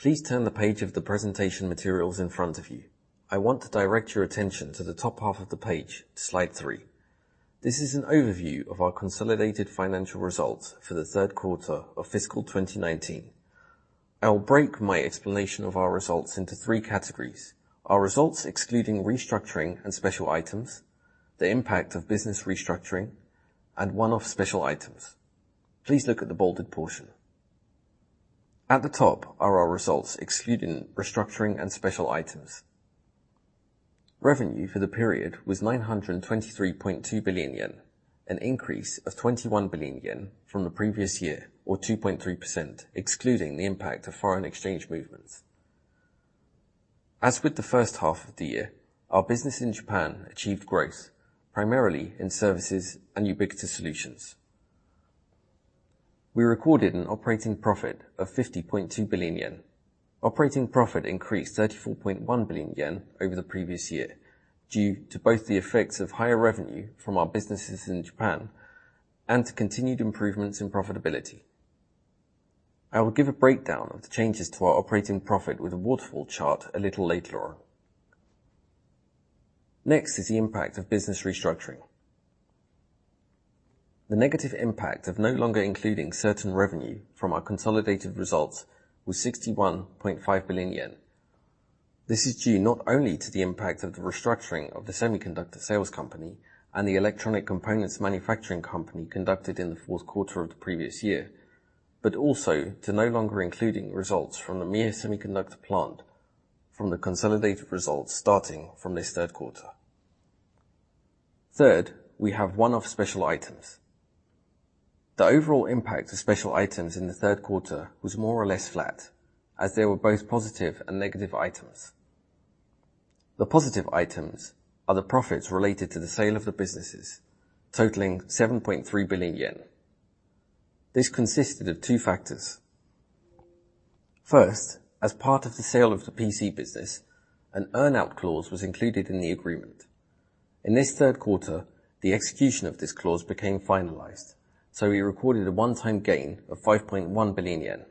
Please turn the page of the presentation materials in front of you. I want to direct your attention to the top half of the page, slide three. This is an overview of our consolidated financial results for the third quarter of fiscal 2019. I will break my explanation of our results into three categories: our results excluding restructuring and special items, the impact of business restructuring, and one-off special items. Please look at the bolded portion. At the top are our results excluding restructuring and special items. Revenue for the period was 923.2 billion yen, an increase of 21 billion yen from the previous year, or 2.3%, excluding the impact of foreign exchange movements. As with the first half of the year, our business in Japan achieved growth, primarily in services and Ubiquitous Solutions. We recorded an operating profit of 50.2 billion yen. Operating profit increased 34.1 billion yen over the previous year, due to both the effects of higher revenue from our businesses in Japan and to continued improvements in profitability. I will give a breakdown of the changes to our operating profit with a waterfall chart a little later on. Next is the impact of business restructuring. The negative impact of no longer including certain revenue from our consolidated results was 61.5 billion yen. This is due not only to the impact of the restructuring of the semiconductor sales company and the electronic components manufacturing company conducted in the fourth quarter of the previous year, but also to no longer including results from the Mie Semiconductor plant from the consolidated results starting from this third quarter. Third, we have one-off special items. The overall impact of special items in the third quarter was more or less flat, as there were both positive and negative items. The positive items are the profits related to the sale of the businesses, totaling 7.3 billion yen. This consisted of two factors. First, as part of the sale of the PC business, an earn-out clause was included in the agreement. In this third quarter, the execution of this clause became finalized, so we recorded a one-time gain of 5.1 billion yen.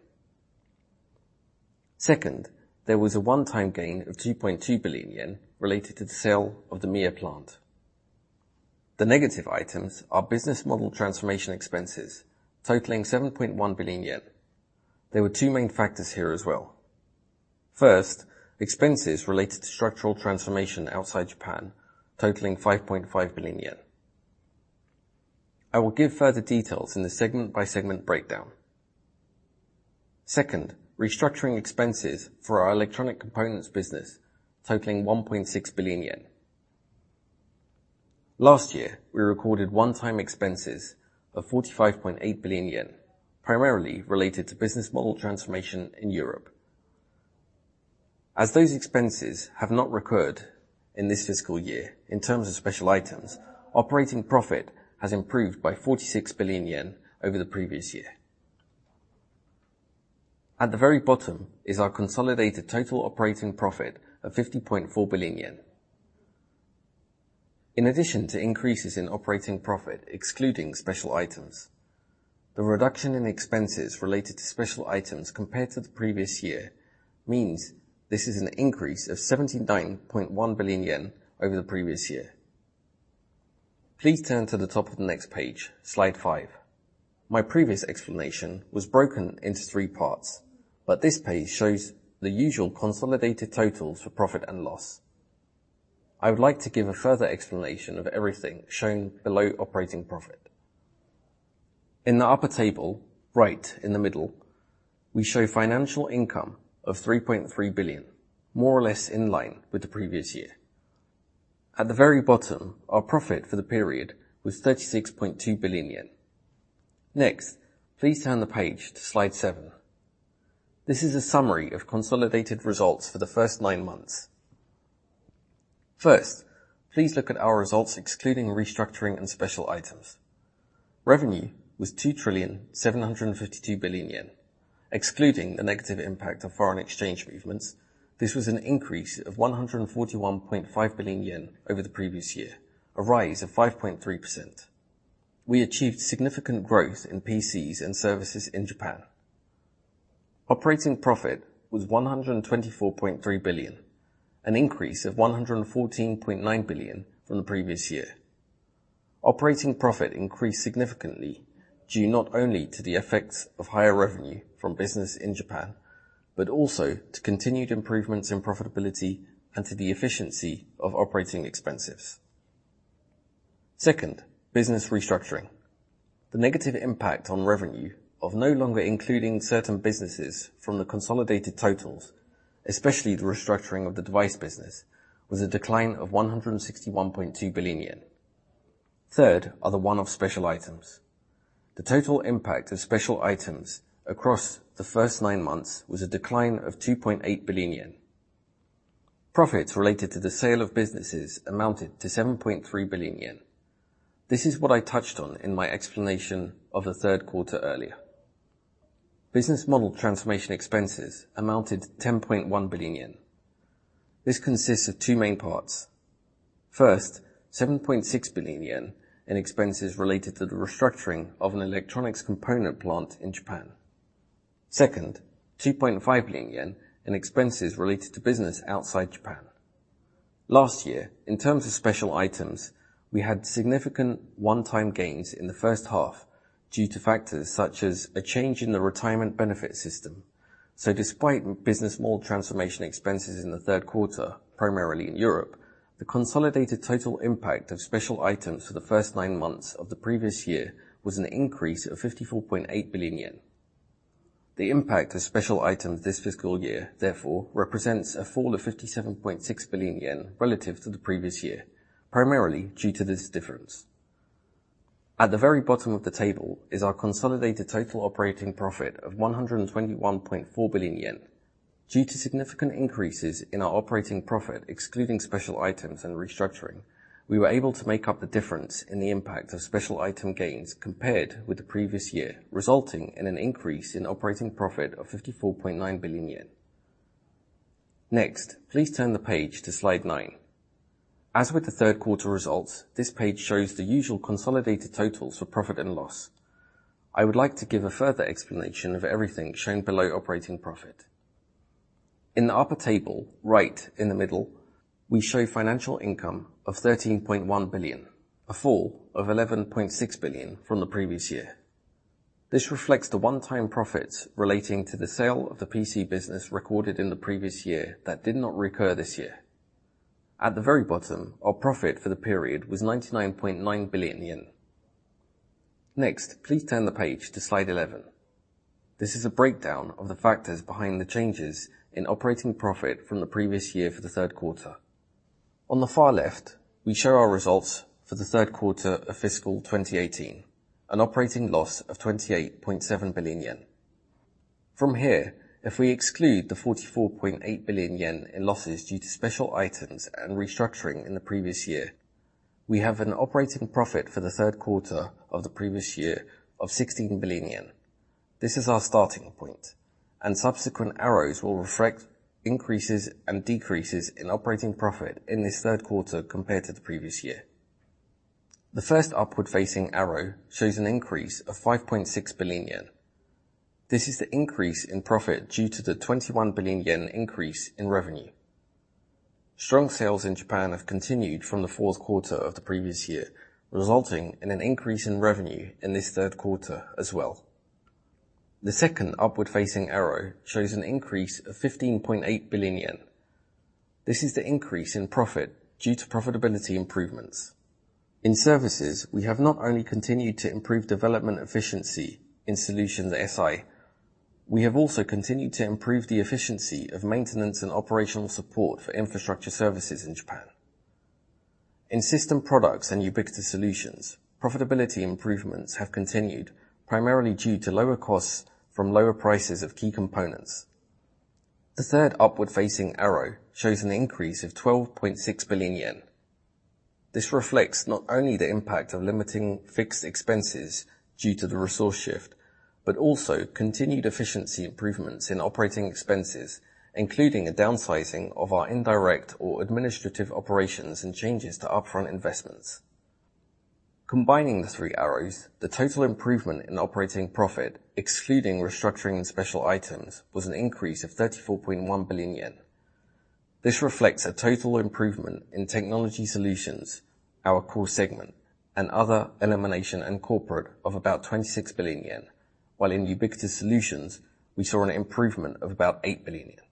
Second, there was a one-time gain of 2.2 billion yen related to the sale of the Mie plant. The negative items are business model transformation expenses totaling 7.1 billion yen. There were two main factors here as well. First, expenses related to structural transformation outside Japan totaling 5.5 billion yen. I will give further details in the segment-by-segment breakdown. Second, restructuring expenses for our electronic components business totaling 1.6 billion yen. Last year, we recorded one-time expenses of 45.8 billion yen, primarily related to business model transformation in Europe. As those expenses have not recurred in this fiscal year in terms of special items, operating profit has improved by 46 billion yen over the previous year. At the very bottom is our consolidated total operating profit of 50.4 billion yen. In addition to increases in operating profit excluding special items, the reduction in expenses related to special items compared to the previous year means this is an increase of 79.1 billion yen over the previous year. Please turn to the top of the next page, slide five. My previous explanation was broken into three parts, but this page shows the usual consolidated totals for profit and loss. I would like to give a further explanation of everything shown below operating profit. In the upper table, right in the middle, we show financial income of 3.3 billion, more or less in line with the previous year. At the very bottom, our profit for the period was 36.2 billion yen. Next, please turn the page to slide seven. This is a summary of consolidated results for the first nine months. First, please look at our results excluding restructuring and special items. Revenue was 2 trillion, 752 billion, excluding the negative impact of foreign exchange movements. This was an increase of 141.5 billion yen over the previous year, a rise of 5.3%. We achieved significant growth in PCs and services in Japan. Operating profit was 124.3 billion, an increase of 114.9 billion from the previous year. Operating profit increased significantly due not only to the effects of higher revenue from business in Japan, but also to continued improvements in profitability and to the efficiency of operating expenses. Second, business restructuring. The negative impact on revenue of no longer including certain businesses from the consolidated totals, especially the restructuring of the device business, was a decline of 161.2 billion yen. Third are the one-off special items. The total impact of special items across the first nine months was a decline of 2.8 billion yen. Profits related to the sale of businesses amounted to 7.3 billion yen. This is what I touched on in my explanation of the third quarter earlier. Business model transformation expenses amounted to 10.1 billion yen. This consists of two main parts. First, 7.6 billion yen in expenses related to the restructuring of an electronics component plant in Japan. Second, 2.5 billion yen in expenses related to business outside Japan. Last year, in terms of special items, we had significant one-time gains in the first half due to factors such as a change in the retirement benefit system. Despite business model transformation expenses in the third quarter, primarily in Europe, the consolidated total impact of special items for the first nine months of the previous year was an increase of 54.8 billion yen. The impact of special items this fiscal year, therefore, represents a fall of 57.6 billion yen relative to the previous year, primarily due to this difference. At the very bottom of the table is our consolidated total operating profit of 121.4 billion yen. Due to significant increases in our operating profit, excluding special items and restructuring, we were able to make up the difference in the impact of special item gains compared with the previous year, resulting in an increase in operating profit of 54.9 billion yen. Next, please turn the page to slide nine. As with the third quarter results, this page shows the usual consolidated totals for profit and loss. I would like to give a further explanation of everything shown below operating profit. In the upper table, right in the middle, we show financial income of 13.1 billion, a fall of 11.6 billion from the previous year. This reflects the one-time profits relating to the sale of the PC business recorded in the previous year that did not recur this year. At the very bottom, our profit for the period was 99.9 billion yen. Please turn the page to slide 11. This is a breakdown of the factors behind the changes in operating profit from the previous year for the third quarter. On the far left, we show our results for the third quarter of fiscal 2018, an operating loss of 28.7 billion yen. If we exclude the 44.8 billion yen in losses due to special items and restructuring in the previous year, we have an operating profit for the third quarter of the previous year of 16 billion yen. This is our starting point, subsequent arrows will reflect increases and decreases in operating profit in this third quarter compared to the previous year. The first upward-facing arrow shows an increase of 5.6 billion yen. This is the increase in profit due to the 21 billion yen increase in revenue. Strong sales in Japan have continued from the fourth quarter of the previous year, resulting in an increase in revenue in this third quarter as well. The second upward-facing arrow shows an increase of 15.8 billion yen. This is the increase in profit due to profitability improvements. In Services, we have not only continued to improve development efficiency in Solution SI, we have also continued to improve the efficiency of maintenance and operational support for infrastructure services in Japan. In system products and Ubiquitous Solutions, profitability improvements have continued, primarily due to lower costs from lower prices of key components. The third upward-facing arrow shows an increase of 12.6 billion yen. This reflects not only the impact of limiting fixed expenses due to the resource shift, but also continued efficiency improvements in operating expenses, including a downsizing of our indirect or administrative operations and changes to upfront investments. Combining the three arrows, the total improvement in operating profit, excluding restructuring and special items, was an increase of 34.1 billion yen. This reflects a total improvement in Technology Solutions, our core segment, and Other, Elimination, and Corporate of about 26 billion yen. While in Ubiquitous Solutions, we saw an improvement of about 8 billion yen.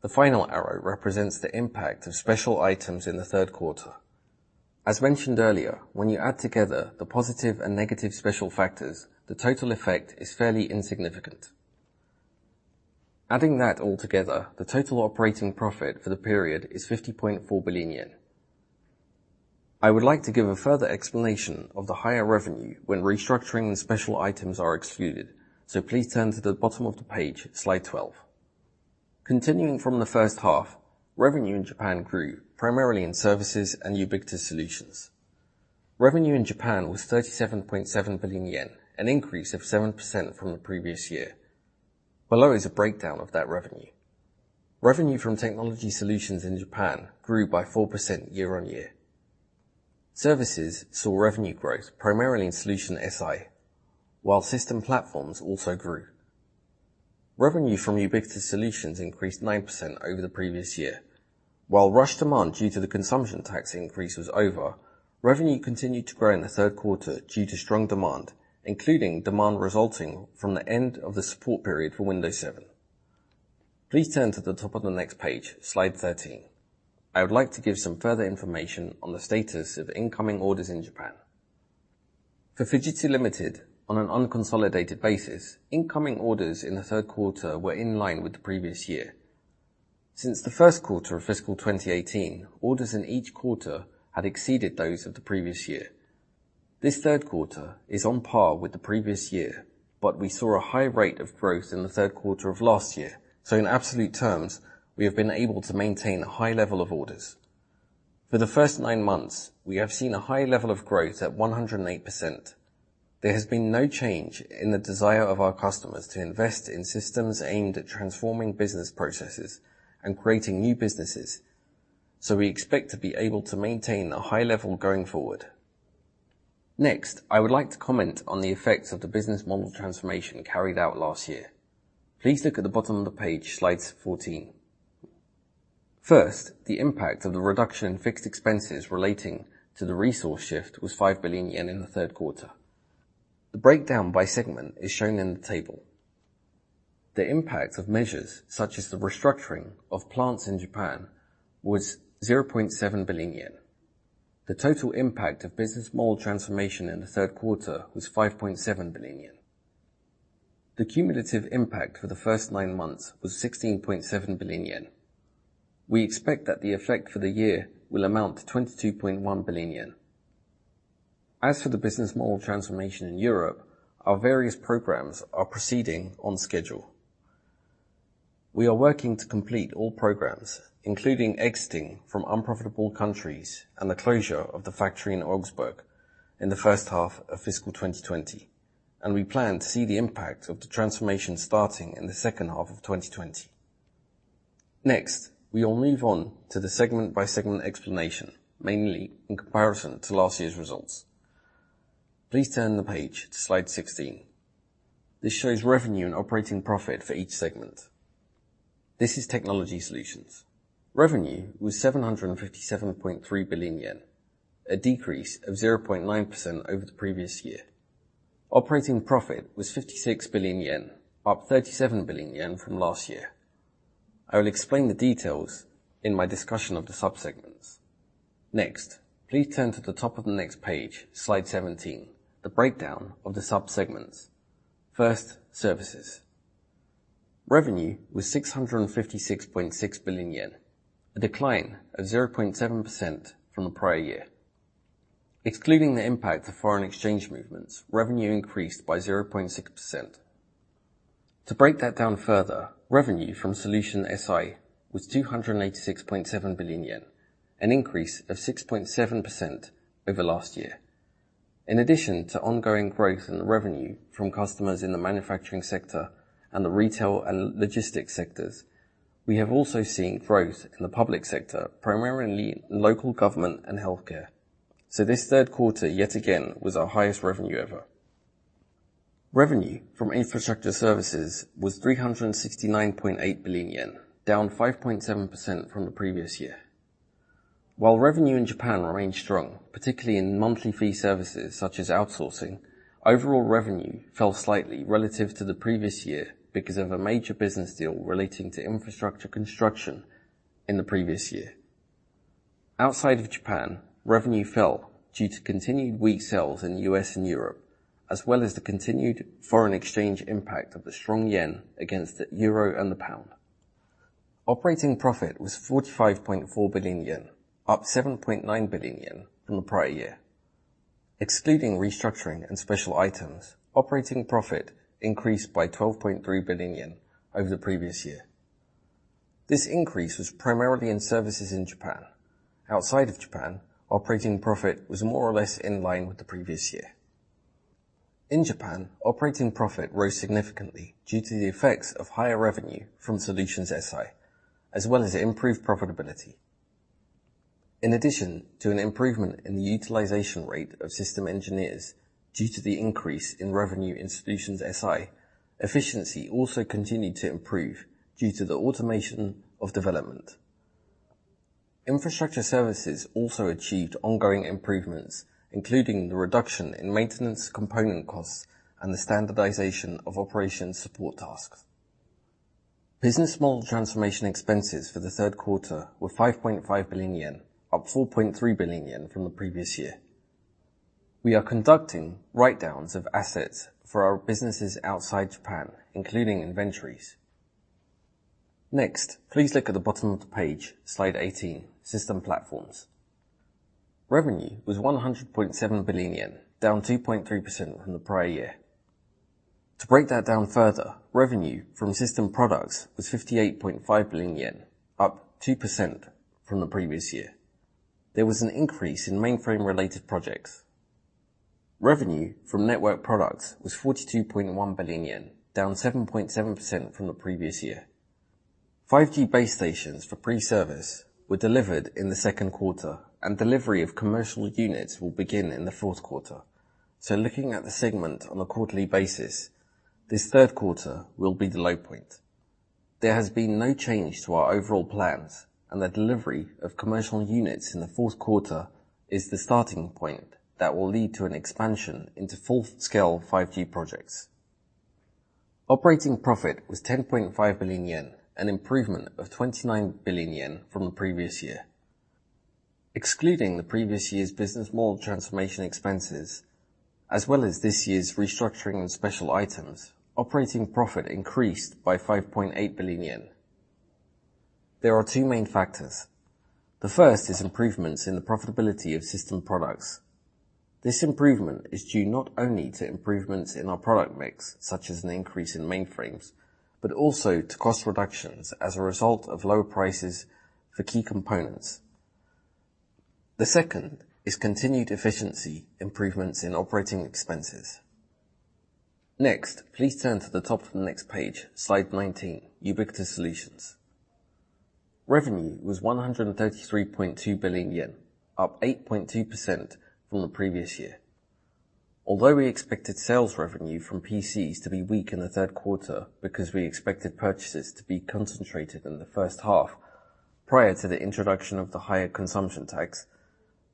The final arrow represents the impact of special items in the third quarter. As mentioned earlier, when you add together the positive and negative special factors, the total effect is fairly insignificant. Adding that all together, the total operating profit for the period is 50.4 billion yen. I would like to give a further explanation of the higher revenue when restructuring and special items are excluded, please turn to the bottom of the page, slide 12. Continuing from the first half, revenue in Japan grew primarily in Services and Ubiquitous Solutions. Revenue in Japan was 37.7 billion yen, an increase of 7% from the previous year. Below is a breakdown of that revenue. Revenue from Technology Solutions in Japan grew by 4% year-on-year. Services saw revenue growth primarily in Solution SI, while System Platform also grew. Revenue from Ubiquitous Solutions increased 9% over the previous year. Rush demand due to the consumption tax increase was over, revenue continued to grow in the third quarter due to strong demand, including demand resulting from the end of the support period for Windows 7. Please turn to the top of the next page, slide 13. I would like to give some further information on the status of incoming orders in Japan. For Fujitsu Limited, on an unconsolidated basis, incoming orders in the third quarter were in line with the previous year. Since the first quarter of fiscal 2018, orders in each quarter had exceeded those of the previous year. This third quarter is on par with the previous year, but we saw a high rate of growth in the third quarter of last year. In absolute terms, we have been able to maintain a high level of orders. For the first nine months, we have seen a high level of growth at 108%. There has been no change in the desire of our customers to invest in systems aimed at transforming business processes and creating new businesses. We expect to be able to maintain a high level going forward. Next, I would like to comment on the effects of the business model transformation carried out last year. Please look at the bottom of the page, slide 14. First, the impact of the reduction in fixed expenses relating to the resource shift was 5 billion yen in the third quarter. The breakdown by segment is shown in the table. The impact of measures such as the restructuring of plants in Japan was 0.7 billion yen. The total impact of business model transformation in the third quarter was 5.7 billion yen. The cumulative impact for the first nine months was 16.7 billion yen. We expect that the effect for the year will amount to 22.1 billion yen. As for the business model transformation in Europe, our various programs are proceeding on schedule. We are working to complete all programs, including exiting from unprofitable countries and the closure of the factory in Augsburg in the first half of fiscal 2020. We plan to see the impact of the transformation starting in the second half of 2020. Next, we will move on to the segment-by-segment explanation, mainly in comparison to last year's results. Please turn the page to slide 16. This shows revenue and operating profit for each segment. This is Technology Solutions. Revenue was 757.3 billion yen, a decrease of 0.9% over the previous year. Operating profit was 56 billion yen, up 37 billion yen from last year. I will explain the details in my discussion of the sub-segments. Next, please turn to the top of the next page, slide 17, the breakdown of the sub-segments. First, Services. Revenue was 656.6 billion yen, a decline of 0.7% from the prior year. Excluding the impact of foreign exchange movements, revenue increased by 0.6%. To break that down further, revenue from Solution SI was 286.7 billion yen, an increase of 6.7% over last year. In addition to ongoing growth in revenue from customers in the manufacturing sector and the retail and logistics sectors, we have also seen growth in the public sector, primarily local government and healthcare. This third quarter, yet again, was our highest revenue ever. Revenue from infrastructure services was 369.8 billion yen, down 5.7% from the previous year. While revenue in Japan remained strong, particularly in monthly fee services such as outsourcing, overall revenue fell slightly relative to the previous year because of a major business deal relating to infrastructure construction in the previous year. Outside of Japan, revenue fell due to continued weak sales in the U.S. and Europe, as well as the continued foreign exchange impact of the strong yen against the euro and the pound. Operating profit was 45.4 billion yen, up 7.9 billion yen from the prior year. Excluding restructuring and special items, operating profit increased by 12.3 billion yen over the previous year. This increase was primarily in services in Japan. Outside of Japan, operating profit was more or less in line with the previous year. In Japan, operating profit rose significantly due to the effects of higher revenue from Solution SI, as well as improved profitability. In addition to an improvement in the utilization rate of system engineers due to the increase in revenue in Solution SI, efficiency also continued to improve due to the automation of development. Infrastructure services also achieved ongoing improvements, including the reduction in maintenance component costs and the standardization of operations support tasks. Business model transformation expenses for the third quarter were 5.5 billion yen, up 4.3 billion yen from the previous year. We are conducting write-downs of assets for our businesses outside Japan, including inventories. Please look at the bottom of the page, slide 18, System Platform. Revenue was 100.7 billion yen, down 2.3% from the prior year. To break that down further, revenue from system products was 58.5 billion yen, up 2% from the previous year. There was an increase in mainframe-related projects. Revenue from network products was 42.1 billion yen, down 7.7% from the previous year. 5G base stations for pre-service were delivered in the second quarter, and delivery of commercial units will begin in the fourth quarter. Looking at the segment on a quarterly basis, this third quarter will be the low point. There has been no change to our overall plans, and the delivery of commercial units in the fourth quarter is the starting point that will lead to an expansion into full-scale 5G projects. Operating profit was 10.5 billion yen, an improvement of 29 billion yen from the previous year. Excluding the previous year's business model transformation expenses, as well as this year's restructuring and special items, operating profit increased by 5.8 billion yen. There are two main factors. The first is improvements in the profitability of system products. This improvement is due not only to improvements in our product mix, such as an increase in mainframes, but also to cost reductions as a result of lower prices for key components. The second is continued efficiency improvements in operating expenses. Please turn to the top of the next page, slide 19, Ubiquitous Solutions. Revenue was 133.2 billion yen, up 8.2% from the previous year. Although we expected sales revenue from PCs to be weak in the third quarter because we expected purchases to be concentrated in the first half, prior to the introduction of the higher consumption tax,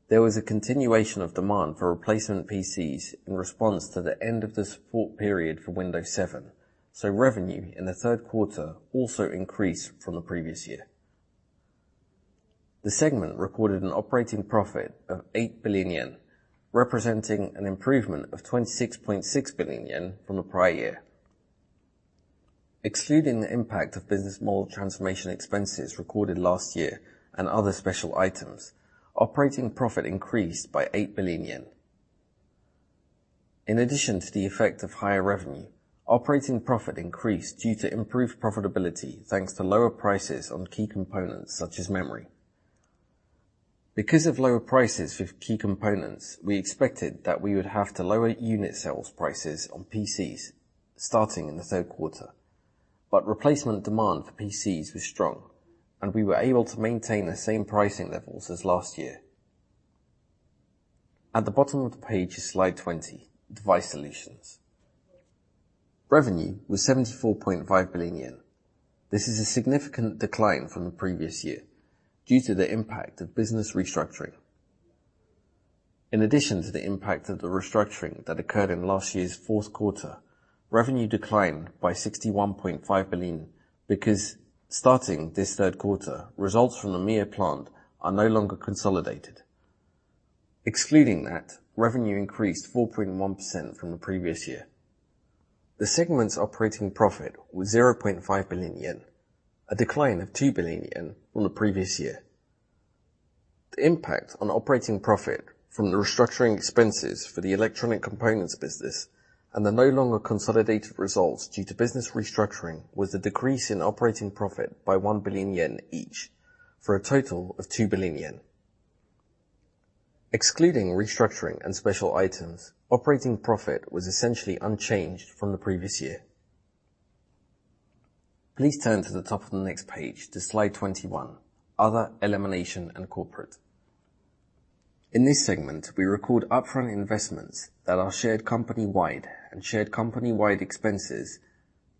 there was a continuation of demand for replacement PCs in response to the end of the support period for Windows 7. Revenue in the third quarter also increased from the previous year. The segment recorded an operating profit of 8 billion yen, representing an improvement of 26.6 billion yen from the prior year. Excluding the impact of business model transformation expenses recorded last year and other special items, operating profit increased by 8 billion yen. In addition to the effect of higher revenue, operating profit increased due to improved profitability, thanks to lower prices on key components such as memory. Because of lower prices with key components, we expected that we would have to lower unit sales prices on PCs starting in the third quarter, but replacement demand for PCs was strong, and we were able to maintain the same pricing levels as last year. At the bottom of the page is slide 20, Device Solutions. Revenue was 74.5 billion yen. This is a significant decline from the previous year due to the impact of business restructuring. In addition to the impact of the restructuring that occurred in last year's fourth quarter, revenue declined by 61.5 billion because starting this third quarter, results from the Mie Plant are no longer consolidated. Excluding that, revenue increased 4.1% from the previous year. The segment's operating profit was 0.5 billion yen, a decline of 2 billion yen from the previous year. The impact on operating profit from the restructuring expenses for the electronic components business and the no longer consolidated results due to business restructuring was a decrease in operating profit by 1 billion yen each, for a total of 2 billion yen. Excluding restructuring and special items, operating profit was essentially unchanged from the previous year. Please turn to the top of the next page to slide 21, Other, Elimination, and Corporate. In this segment, we record upfront investments that are shared company-wide and shared company-wide expenses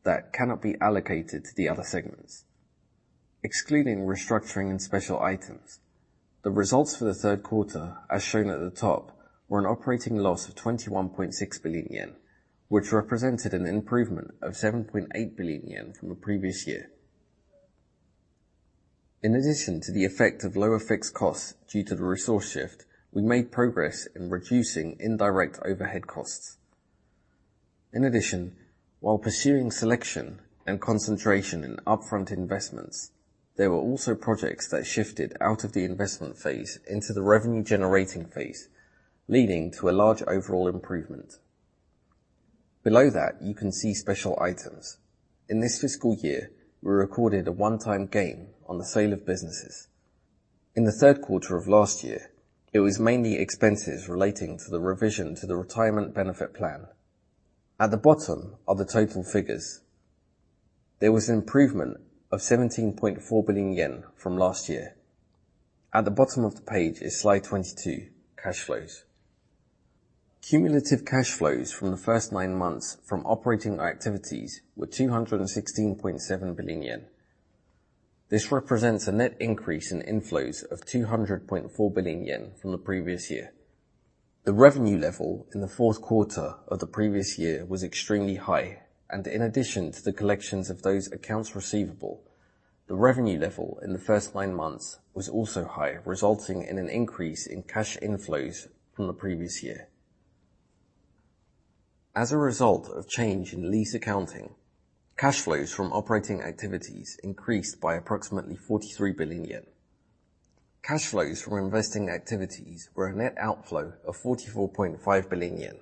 that cannot be allocated to the other segments. Excluding restructuring and special items, the results for the third quarter, as shown at the top, were an operating loss of 21.6 billion yen, which represented an improvement of 7.8 billion yen from the previous year. In addition to the effect of lower fixed costs due to the resource shift, we made progress in reducing indirect overhead costs. In addition, while pursuing selection and concentration in upfront investments, there were also projects that shifted out of the investment phase into the revenue-generating phase, leading to a large overall improvement. Below that, you can see special items. In this fiscal year, we recorded a one-time gain on the sale of businesses. In the third quarter of last year, it was mainly expenses relating to the revision to the retirement benefit plan. At the bottom are the total figures. There was an improvement of 17.4 billion yen from last year. At the bottom of the page is slide 22, Cash Flows. Cumulative cash flows from the first nine months from operating our activities were 216.7 billion yen. This represents a net increase in inflows of 200.4 billion yen from the previous year. The revenue level in the fourth quarter of the previous year was extremely high. In addition to the collections of those accounts receivable, the revenue level in the first nine months was also high, resulting in an increase in cash inflows from the previous year. As a result of change in lease accounting, cash flows from operating activities increased by approximately 43 billion yen. Cash flows from investing activities were a net outflow of 44.5 billion yen.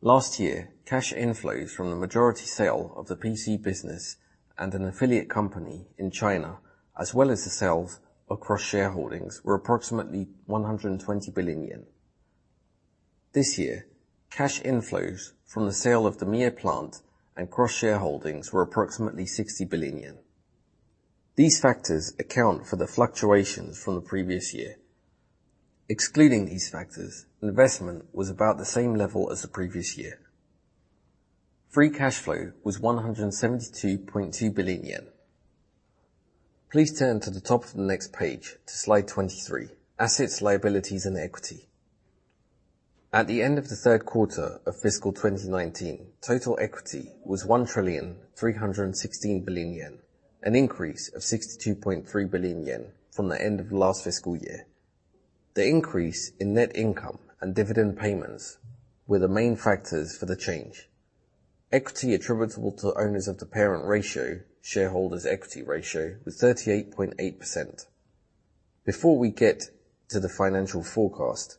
Last year, cash inflows from the majority sale of the PC business and an affiliate company in China, as well as the sales of cross-shareholdings, were approximately 120 billion yen. This year, cash inflows from the sale of the Mie Plant and cross-shareholdings were approximately 60 billion yen. These factors account for the fluctuations from the previous year. Excluding these factors, investment was about the same level as the previous year. Free cash flow was 172.2 billion yen. Please turn to the top of the next page to slide 23, Assets, Liabilities, and Equity. At the end of the third quarter of fiscal 2019, total equity was 1,316 billion yen, an increase of 62.3 billion yen from the end of last fiscal year. The increase in net income and dividend payments were the main factors for the change. Equity attributable to owners of the parent ratio, shareholders' equity ratio was 38.8%. Before we get to the financial forecast,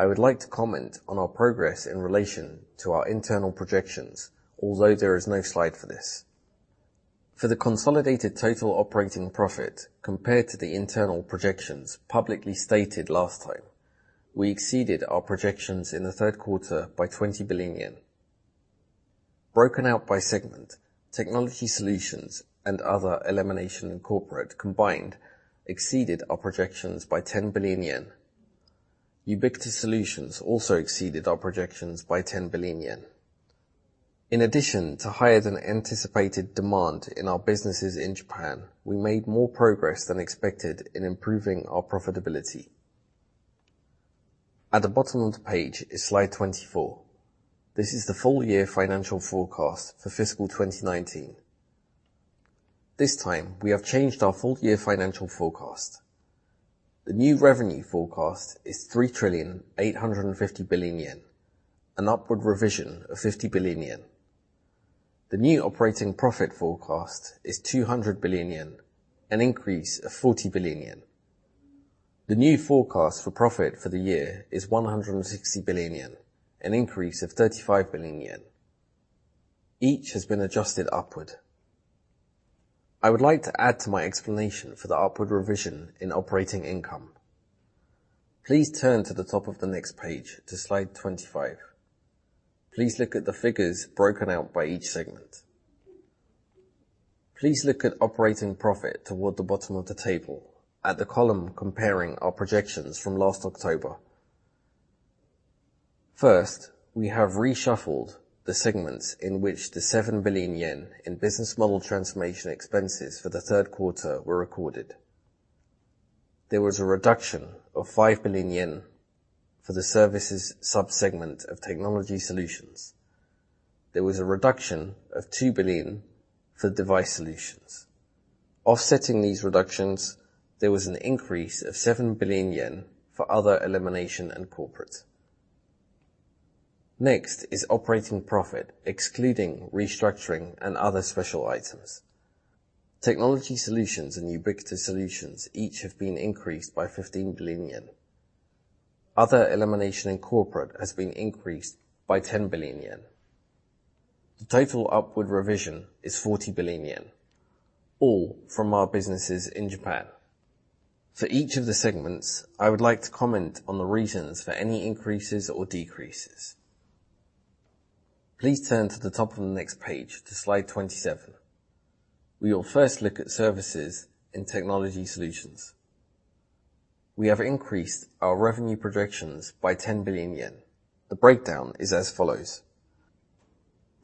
I would like to comment on our progress in relation to our internal projections, although there is no slide for this. For the consolidated total operating profit compared to the internal projections publicly stated last time, we exceeded our projections in the third quarter by 20 billion yen. Broken out by segment, Technology Solutions and Other, Elimination, and Corporate combined exceeded our projections by 10 billion yen. Ubiquitous Solutions also exceeded our projections by 10 billion yen. In addition to higher than anticipated demand in our businesses in Japan, we made more progress than expected in improving our profitability. At the bottom of the page is slide 24. This is the full year financial forecast for fiscal 2019. This time, we have changed our full year financial forecast. The new revenue forecast is 3,850 billion yen, an upward revision of 50 billion yen. The new operating profit forecast is 200 billion yen, an increase of 40 billion yen. The new forecast for profit for the year is 160 billion yen, an increase of 35 billion yen. Each has been adjusted upward. I would like to add to my explanation for the upward revision in operating income. Please turn to the top of the next page to slide 25. Please look at the figures broken out by each segment. Please look at operating profit toward the bottom of the table at the column comparing our projections from last October. First, we have reshuffled the segments in which the 7 billion yen in business model transformation expenses for the third quarter were recorded. There was a reduction of 5 billion yen for the services sub-segment of Technology Solutions. There was a reduction of 2 billion for Device Solutions. Offsetting these reductions, there was an increase of 7 billion yen for Other, Elimination, and Corporate. Next is operating profit, excluding restructuring and other special items. Technology Solutions and Ubiquitous Solutions each have been increased by 15 billion yen. Other, Elimination, and Corporate has been increased by 10 billion yen. The total upward revision is 40 billion yen, all from our businesses in Japan. For each of the segments, I would like to comment on the reasons for any increases or decreases. Please turn to the top of the next page to slide 27. We will first look at services in Technology Solutions. We have increased our revenue projections by 10 billion yen. The breakdown is as follows: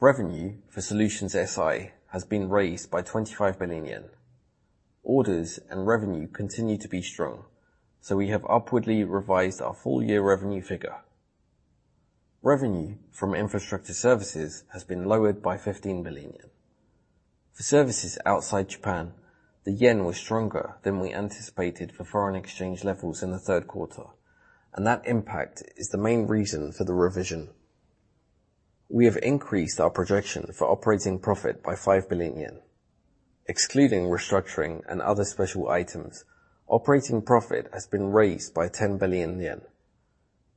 Revenue for Solutions SI has been raised by 25 billion yen. Orders and revenue continue to be strong, so we have upwardly revised our full year revenue figure. Revenue from infrastructure services has been lowered by 15 billion yen. For services outside Japan, the yen was stronger than we anticipated for foreign exchange levels in the third quarter, and that impact is the main reason for the revision. We have increased our projection for operating profit by 5 billion yen. Excluding restructuring and other special items, operating profit has been raised by 10 billion yen.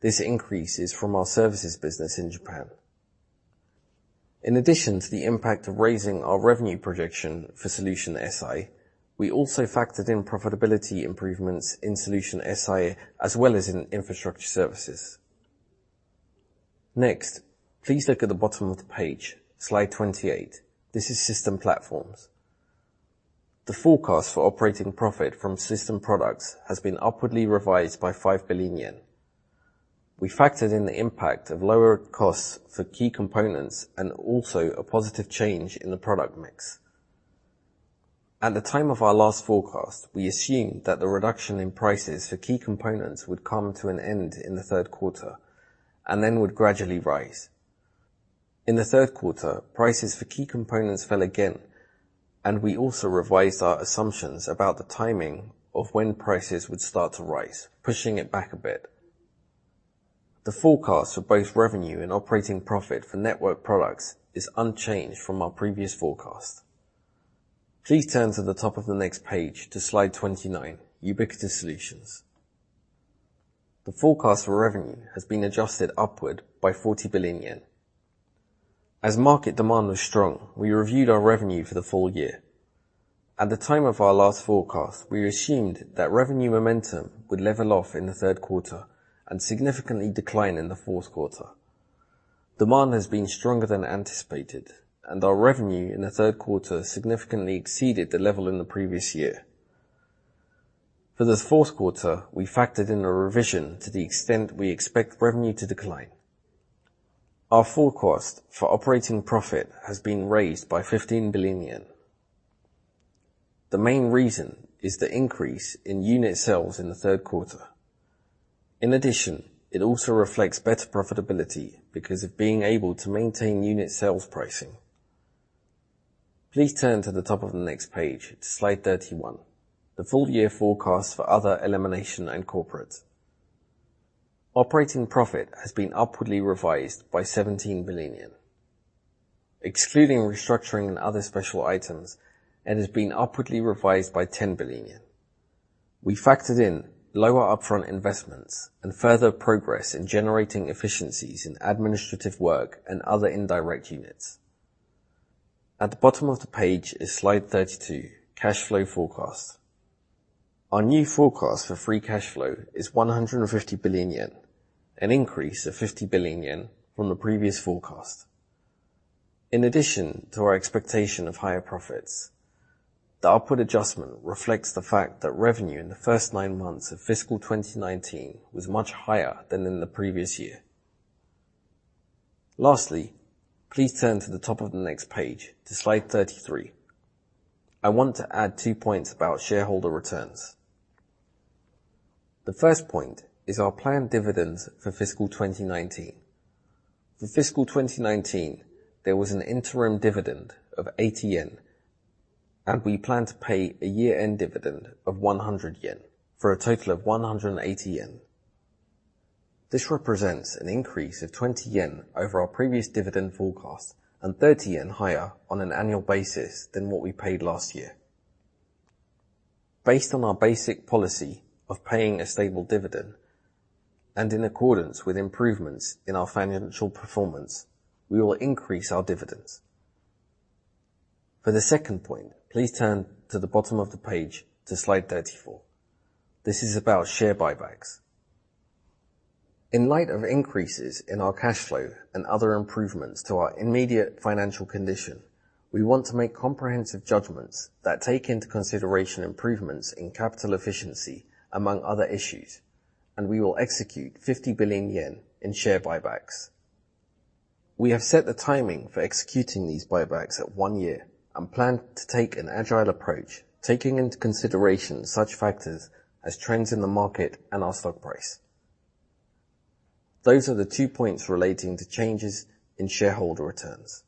This increase is from our services business in Japan. In addition to the impact of raising our revenue projection for Solution SI, we also factored in profitability improvements in Solution SI, as well as in infrastructure services. Please look at the bottom of the page, slide 28. This is System Platform. The forecast for operating profit from system products has been upwardly revised by 5 billion yen. We factored in the impact of lower costs for key components and also a positive change in the product mix. At the time of our last forecast, we assumed that the reduction in prices for key components would come to an end in the third quarter and then would gradually rise. In the third quarter, prices for key components fell again, and we also revised our assumptions about the timing of when prices would start to rise, pushing it back a bit. The forecast for both revenue and operating profit for network products is unchanged from our previous forecast. Please turn to the top of the next page to slide 29, Ubiquitous Solutions. The forecast for revenue has been adjusted upward by 40 billion yen. As market demand was strong, we reviewed our revenue for the full year. At the time of our last forecast, we assumed that revenue momentum would level off in the third quarter and significantly decline in the fourth quarter. Demand has been stronger than anticipated, and our revenue in the third quarter significantly exceeded the level in the previous year. For the fourth quarter, we factored in a revision to the extent we expect revenue to decline. Our forecast for operating profit has been raised by 15 billion yen. The main reason is the increase in unit sales in the third quarter. In addition, it also reflects better profitability, because of being able to maintain unit sales pricing. Please turn to the top of the next page to slide 31, the full year forecast for other Elimination and Corporate. Operating profit has been upwardly revised by 17 billion yen. Excluding restructuring and other special items, it has been upwardly revised by 10 billion yen. We factored in lower upfront investments and further progress in generating efficiencies in administrative work and other indirect units. At the bottom of the page is slide 32, cash flow forecast. Our new forecast for free cash flow is 150 billion yen, an increase of 50 billion yen from the previous forecast. In addition to our expectation of higher profits, the upward adjustment reflects the fact that revenue in the first nine months of fiscal 2019 was much higher than in the previous year. Please turn to the top of the next page to slide 33. I want to add two points about shareholder returns. The first point is our planned dividends for fiscal 2019. For fiscal 2019, there was an interim dividend of 80 yen, and we plan to pay a year-end dividend of 100 yen for a total of 180 yen. This represents an increase of 20 yen over our previous dividend forecast and 30 yen higher on an annual basis than what we paid last year. Based on our basic policy of paying a stable dividend, in accordance with improvements in our financial performance, we will increase our dividends. For the second point, please turn to the bottom of the page to Slide 34. This is about share buybacks. In light of increases in our cash flow and other improvements to our immediate financial condition, we want to make comprehensive judgments that take into consideration improvements in capital efficiency among other issues, we will execute 50 billion yen in share buybacks. We have set the timing for executing these buybacks at one year and plan to take an agile approach, taking into consideration such factors as trends in the market and our stock price. Those are the two points relating to changes in shareholder returns.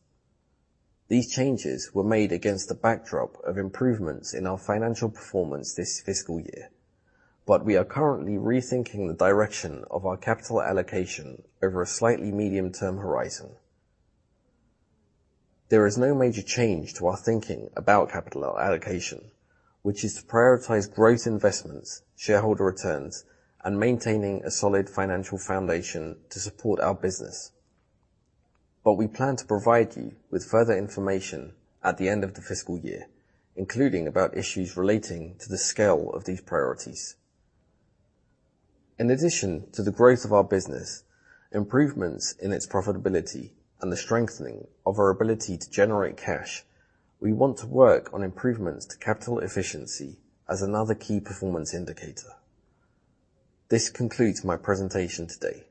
These changes were made against the backdrop of improvements in our financial performance this fiscal year. We are currently rethinking the direction of our capital allocation over a slightly medium-term horizon. There is no major change to our thinking about capital allocation, which is to prioritize growth investments, shareholder returns, and maintaining a solid financial foundation to support our business. We plan to provide you with further information at the end of the fiscal year, including about issues relating to the scale of these priorities. In addition to the growth of our business, improvements in its profitability, and the strengthening of our ability to generate cash, we want to work on improvements to capital efficiency as another key performance indicator. This concludes my presentation today.